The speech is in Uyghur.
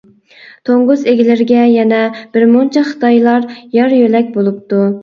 توڭگۇز ئىگىلىرىگە يەنە بىر مۇنچە خىتايلار يار-يۆلەك بولۇپتۇ.